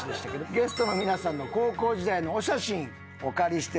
ゲストの皆さんの高校時代のお写真お借りしております。